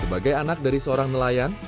sebagai anak dari seorang nelayan